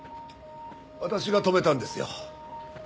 私が止めたんですよ。